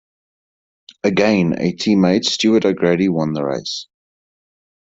Again a team mate, Stuart O'Grady, won the race.